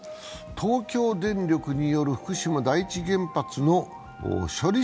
東京電力による福島第一原発の処理